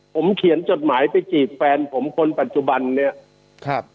ผมเขียนจดหมายไปจีบแฟนผมคนปัจจุบันเนี้ยครับ